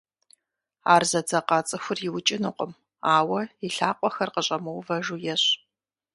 Ар зэдзэкъа цIыхур иукIынукъым, ауэ и лъакъуэхэр къыщIэмыувэжу ещI.